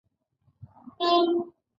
هغه وویل چې دلار دي.